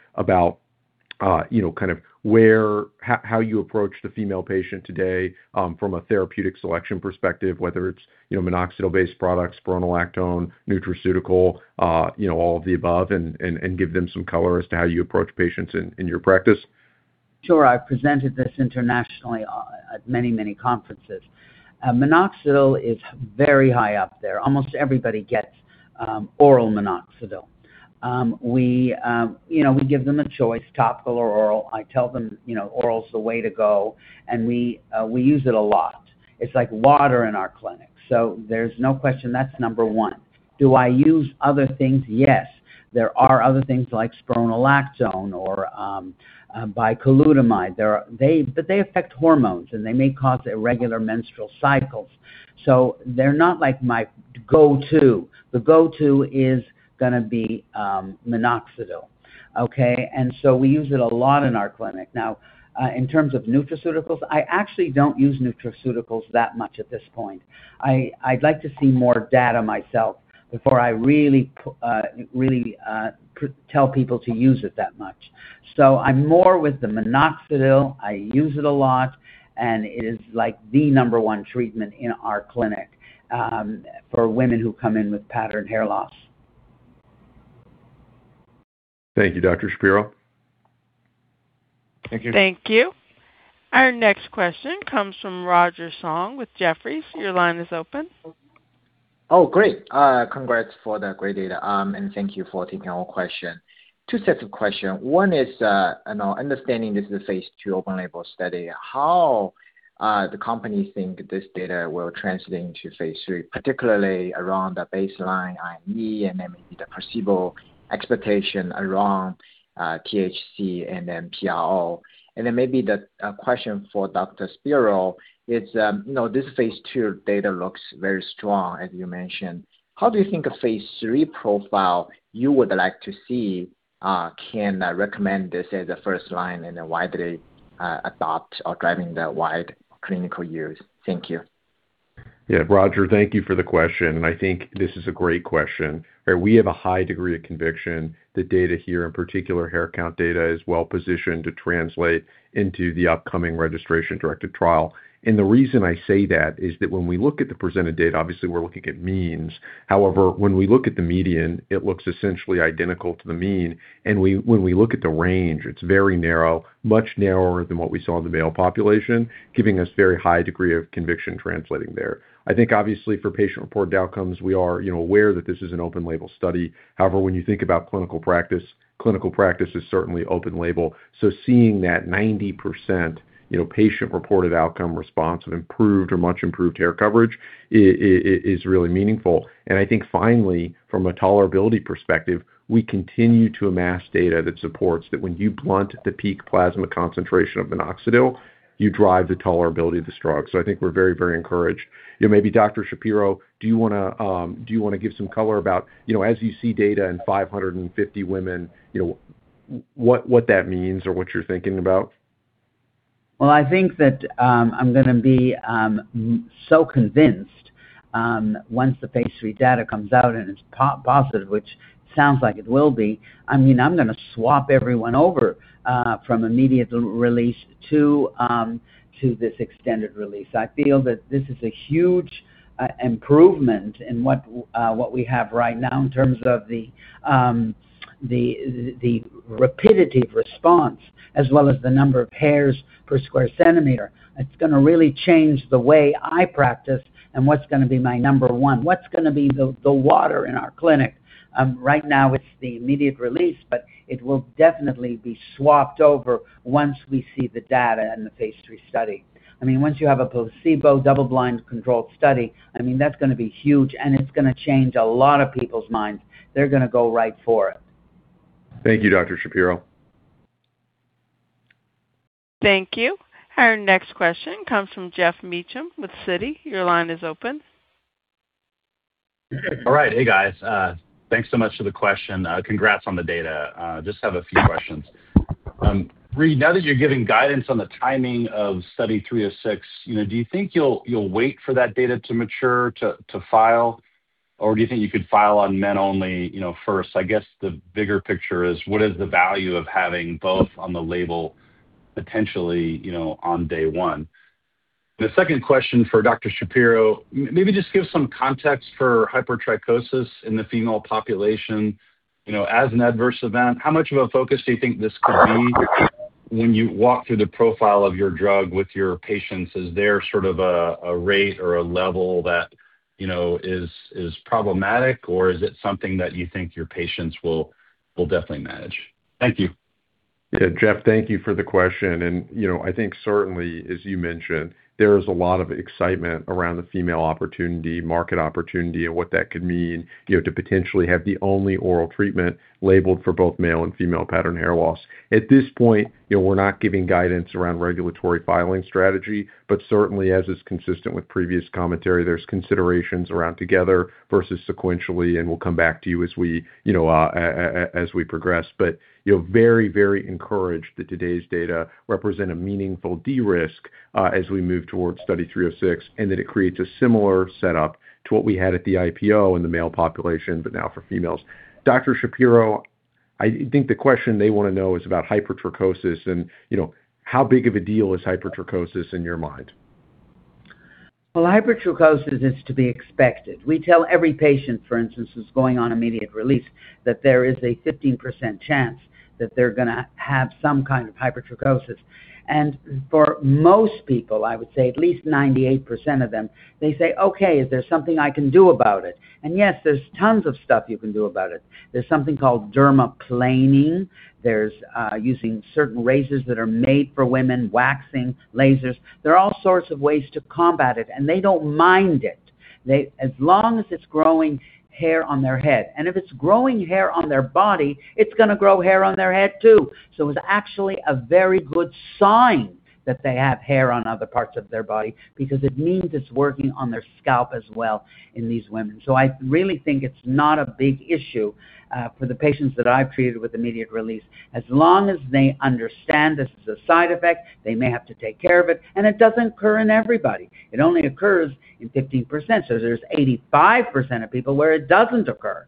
about how you approach the female patient today from a therapeutic selection perspective, whether it's minoxidil-based products, spironolactone, nutraceutical, all of the above, and give them some color as to how you approach patients in your practice? Sure. I've presented this internationally at many, many conferences. Minoxidil is very high up there. Almost everybody gets oral minoxidil. We give them a choice, topical or oral. I tell them oral is the way to go, and we use it a lot. It's like water in our clinic. There's no question that's number one. Do I use other things? Yes. There are other things like spironolactone or bicalutamide. They affect hormones, and they may cause irregular menstrual cycles. They're not my go-to. The go-to is going to be minoxidil. Okay? We use it a lot in our clinic. Now, in terms of nutraceuticals, I actually don't use nutraceuticals that much at this point. I'd like to see more data myself before I really tell people to use it that much. I'm more with the minoxidil. I use it a lot, and it is the number one treatment in our clinic for women who come in with pattern hair loss. Thank you, Dr. Shapiro. [crosstalk] Thank you. Our next question comes from Roger Song with Jefferies. Your line is open. Oh, great. Congrats for the great data. Thank you for taking our question. Two sets of questions. One is, understanding this is a phase II open-label study, how the company thinks this data will translate into phase III, particularly around the baseline IME and maybe the perceived expectation around TAHC and then PRO. Maybe the question for Dr. Shapiro is, this phase II data looks very strong, as you mentioned. How do you think a phase III profile you would like to see can recommend this as a first line, then widely adopt or driving that wide clinical use? Thank you. Roger, thank you for the question. I think this is a great question. We have a high degree of conviction that data here, in particular hair count data, is well positioned to translate into the upcoming registration directed trial. The reason I say that is that when we look at the presented data, obviously we're looking at means. However, when we look at the median, it looks essentially identical to the mean. When we look at the range, it's very narrow, much narrower than what we saw in the male population, giving us very high degree of conviction translating there. I think obviously for patient reported outcomes, we are aware that this is an open-label study. However, when you think about clinical practice, clinical practice is certainly open-label. Seeing that 90% patient reported outcome response of improved or much improved hair coverage is really meaningful. I think finally, from a tolerability perspective, we continue to amass data that supports that when you blunt the peak plasma concentration of minoxidil, you drive the tolerability of this drug. I think we're very, very encouraged. Maybe Dr. Shapiro, do you want to give some color about, as you see data in 550 women, what that means or what you're thinking about? I think that I'm going to be so convinced once the phase III data comes out and it's positive, which sounds like it will be. I'm going to swap everyone over from immediate-release to this extended-release. I feel that this is a huge improvement in what we have right now in terms of the rapidity of response, as well as the number of hairs per square centimeter. It's going to really change the way I practice and what's going to be my number one, what's going to be the water in our clinic. Right now it's the immediate-release. It will definitely be swapped over once we see the data in the phase III study. Once you have a placebo double-blind controlled study, that's going to be huge. It's going to change a lot of people's minds. They're going to go right for it. Thank you, Dr. Shapiro. Thank you. Our next question comes from Geoff Meacham with Citi. Your line is open. All right. Hey, guys. Thanks so much for the question. Congrats on the data. Just have a few questions. Reid, now that you're giving guidance on the timing of Study 306, do you think you'll wait for that data to mature to file, or do you think you could file on men only first? I guess the bigger picture is what is the value of having both on the label potentially on day one? The second question for Dr. Shapiro, maybe just give some context for hypertrichosis in the female population as an adverse event. How much of a focus do you think this could be when you walk through the profile of your drug with your patients? Is there sort of a rate or a level that is problematic, or is it something that you think your patients will definitely manage? Thank you. Geoff, thank you for the question. I think certainly, as you mentioned, there is a lot of excitement around the female opportunity, market opportunity, and what that could mean to potentially have the only oral treatment labeled for both male and female pattern hair loss. At this point, we're not giving guidance around regulatory filing strategy, certainly, as is consistent with previous commentary, there's considerations around together versus sequentially, and we'll come back to you as we progress. Very encouraged that today's data represent a meaningful de-risk as we move towards Study 306, and that it creates a similar setup to what we had at the IPO in the male population, now for females. Dr. Shapiro, I think the question they want to know is about hypertrichosis and how big of a deal is hypertrichosis in your mind? Well, hypertrichosis is to be expected. We tell every patient, for instance, who's going on immediate-release, that there is a 15% chance that they're going to have some kind of hypertrichosis. For most people, I would say at least 98% of them, they say, okay, is there something I can do about it? Yes, there's tons of stuff you can do about it. There's something called dermaplaning. There's using certain razors that are made for women, waxing, lasers. There are all sorts of ways to combat it, and they don't mind it. As long as it's growing hair on their head. If it's growing hair on their body, it's going to grow hair on their head, too. It's actually a very good sign that they have hair on other parts of their body because it means it's working on their scalp as well in these women. I really think it's not a big issue for the patients that I've treated with immediate release. As long as they understand this is a side effect, they may have to take care of it, and it doesn't occur in everybody. It only occurs in 15%, so there's 85% of people where it doesn't occur.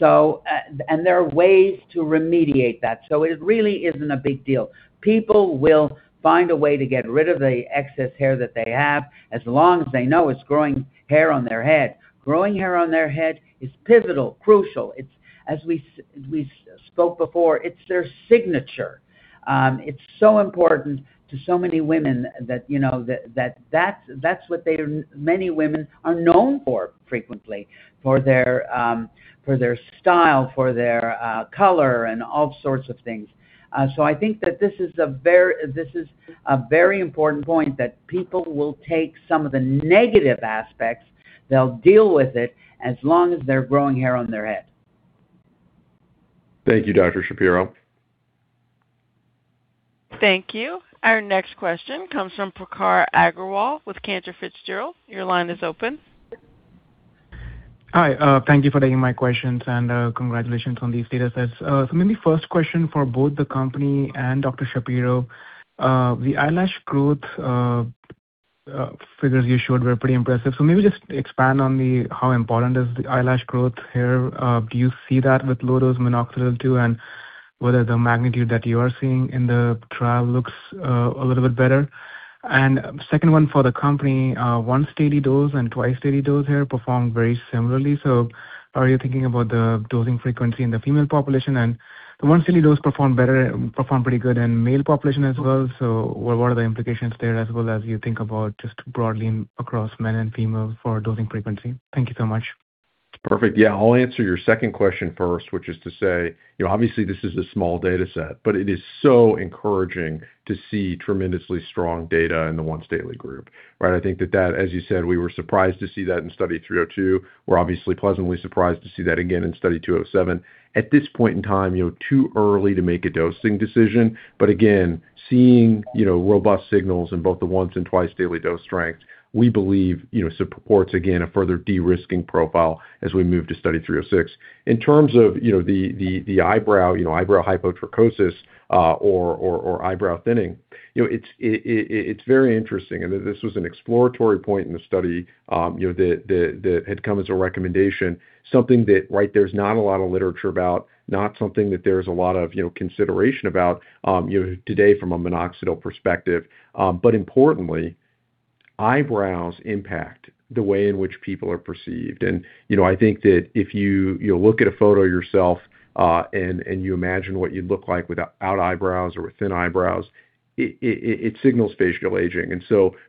There are ways to remediate that. It really isn't a big deal. People will find a way to get rid of the excess hair that they have, as long as they know it's growing hair on their head. Growing hair on their head is pivotal, crucial. As we spoke before, it's their signature. It's so important to so many women that that's what many women are known for frequently, for their style, for their color, and all sorts of things. I think that this is a very important point, that people will take some of the negative aspects, they'll deal with it, as long as they're growing hair on their head. Thank you, Dr. Shapiro. Thank you. Our next question comes from Prakhar Agrawal with Cantor Fitzgerald. Your line is open. Hi, thank you for taking my questions, and congratulations on these data sets. Maybe first question for both the company and Dr. Shapiro. The eyelash growth figures you showed were pretty impressive. Maybe just expand on how important is the eyelash growth here? Do you see that with low-dose minoxidil, too? Whether the magnitude that you are seeing in the trial looks a little bit better. Second one for the company, once daily dose and twice daily dose here performed very similarly. Are you thinking about the dosing frequency in the female population? The once daily dose performed better, performed pretty good in male population as well. What are the implications there as well as you think about just broadly across men and female for dosing frequency? Thank you so much. Perfect. Yeah. I'll answer your second question first, which is to say, obviously this is a small data set, but it is so encouraging to see tremendously strong data in the once daily group. I think that, as you said, we were surprised to see that in Study 302. We're obviously pleasantly surprised to see that again in Study 207. At this point in time, too early to make a dosing decision. Again, seeing robust signals in both the once and twice daily dose strengths, we believe supports, again, a further de-risking profile as we move to Study 306. In terms of the eyebrow hypotrichosis or eyebrow thinning, it's very interesting. This was an exploratory point in the study that had come as a recommendation, something that there's not a lot of literature about, not something that there's a lot of consideration about today from a minoxidil perspective. Importantly, eyebrows impact the way in which people are perceived. I think that if you look at a photo yourself, and you imagine what you'd look like without eyebrows or with thin eyebrows, it signals facial aging.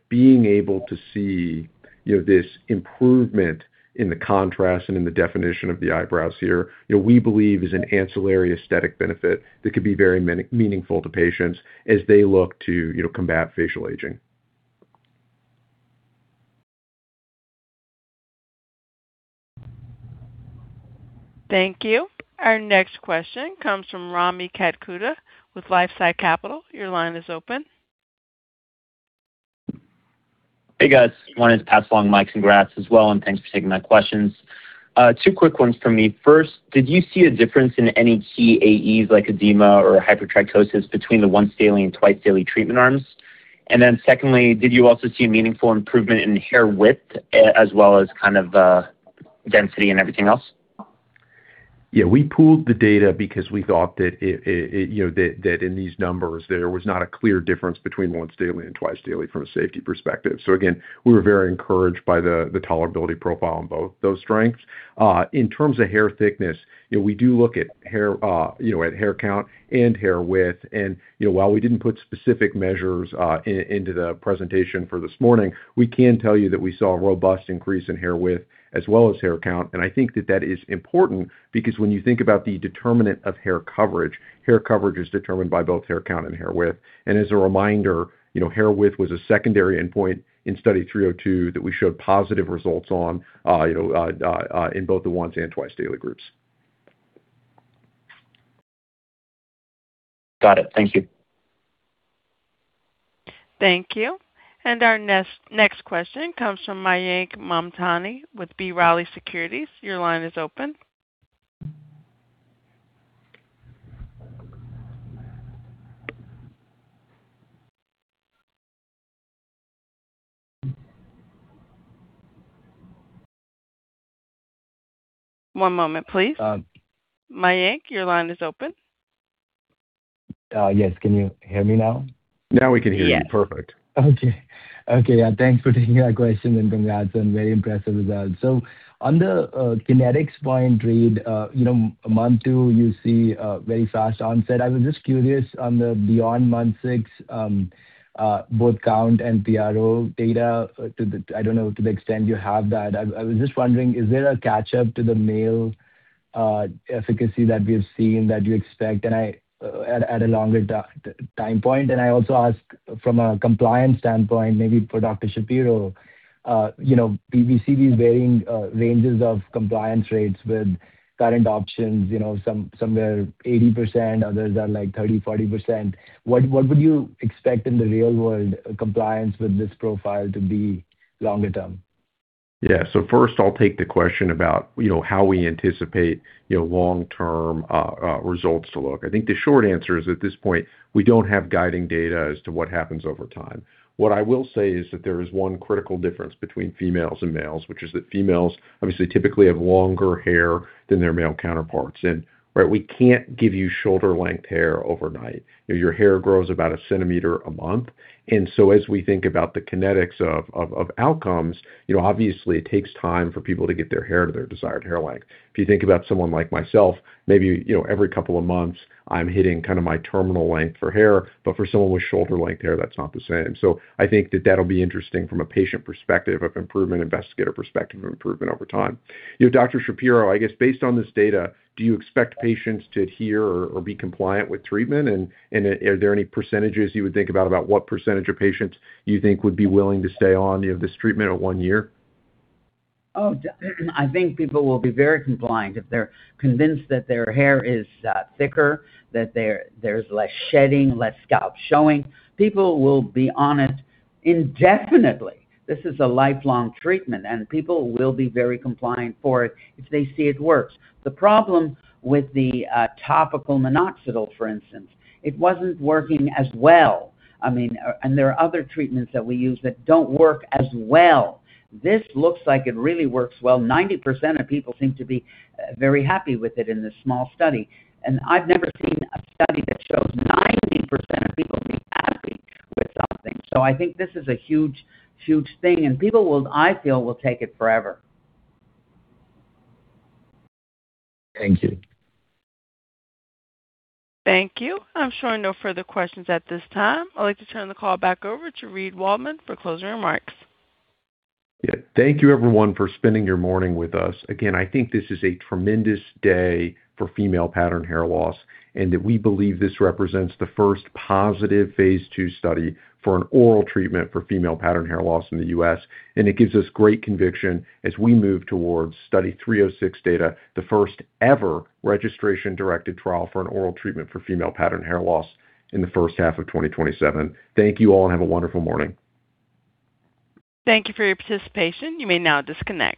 Being able to see this improvement in the contrast and in the definition of the eyebrows here, we believe is an ancillary aesthetic benefit that could be very meaningful to patients as they look to combat facial aging. Thank you. Our next question comes from Rami Katkhuda with LifeSci Capital. Your line is open. Hey, guys. Wanted to pass along Mike's congrats as well. Thanks for taking my questions. Two quick ones from me. First, did you see a difference in any key AEs, like edema or hypertrichosis, between the once daily and twice daily treatment arms? Secondly, did you also see a meaningful improvement in hair width as well as kind of density and everything else? Yeah. We pooled the data because we thought that in these numbers, there was not a clear difference between once daily and twice daily from a safety perspective. Again, we were very encouraged by the tolerability profile on both those strengths. In terms of hair thickness, we do look at hair count and hair width. While we didn't put specific measures into the presentation for this morning, we can tell you that we saw a robust increase in hair width as well as hair count. I think that that is important because when you think about the determinant of hair coverage, hair coverage is determined by both hair count and hair width. As a reminder, hair width was a secondary endpoint in Study 302 that we showed positive results on in both the once and twice daily groups. Got it. Thank you. Thank you. Our next question comes from Mayank Mamtani with B. Riley Securities. Your line is open. One moment, please. Mayank, your line is open. Yes. Can you hear me now? Now we can hear you. Yes. Perfect. Thanks for taking my question, and congrats on very impressive results. On the kinetics point, Reid, month two, you see a very fast onset. I was just curious on the beyond month six, both count and PRO data to the I don't know to the extent you have that. I was just wondering, is there a catch-up to the male efficacy that we've seen that you expect at a longer time point? I also ask from a compliance standpoint, maybe for Dr. Shapiro, we see these varying ranges of compliance rates with current options, some, somewhere 80%, others are like 30%, 40%. What would you expect in the real world compliance with this profile to be longer term? First I'll take the question about how we anticipate long-term results to look. I think the short answer is, at this point, we don't have guiding data as to what happens over time. What I will say is that there is one critical difference between females and males, which is that females obviously typically have longer hair than their male counterparts, and we can't give you shoulder-length hair overnight. Your hair grows about a centimeter a month. As we think about the kinetics of outcomes, obviously it takes time for people to get their hair to their desired hair length. If you think about someone like myself, maybe every couple of months, I'm hitting my terminal length for hair, but for someone with shoulder-length hair, that's not the same. I think that that'll be interesting from a patient perspective of improvement, investigator perspective of improvement over time. Dr. Shapiro, I guess based on this data, do you expect patients to adhere or be compliant with treatment? Are there any percentages you would think about what percentage of patients you think would be willing to stay on this treatment at one year? I think people will be very compliant if they're convinced that their hair is thicker, that there's less shedding, less scalp showing. People will be on it indefinitely. This is a lifelong treatment, and people will be very compliant for it if they see it works. The problem with the topical minoxidil, for instance, it wasn't working as well. There are other treatments that we use that don't work as well. This looks like it really works well. 90% of people seem to be very happy with it in this small study, and I've never seen a study that shows 90% of people to be happy with something. I think this is a huge thing, and people will, I feel, take it forever. Thank you. Thank you. I'm showing no further questions at this time. I'd like to turn the call back over to Reid Waldman for closing remarks. Yeah. Thank you everyone for spending your morning with us. Again, I think this is a tremendous day for female pattern hair loss, and that we believe this represents the first positive phase II study for an oral treatment for female pattern hair loss in the U.S.. It gives us great conviction as we move towards Study 306 data, the first-ever registration-directed trial for an oral treatment for female pattern hair loss in the first half of 2027. Thank you all, and have a wonderful morning. Thank you for your participation. You may now disconnect.